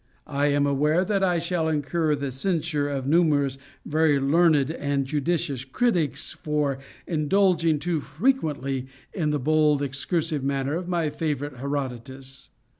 I am aware that I shall incur the censure of numerous very learned and judicious critics for indulging too frequently in the bold excursive manner of my favorite Herodotus.